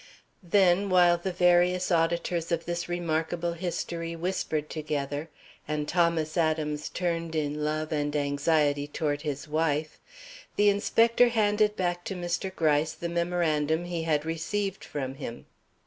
Then, while the various auditors of this remarkable history whispered together and Thomas Adams turned in love and anxiety toward his wife, the inspector handed back to Mr. Gryce the memorandum he had received from him.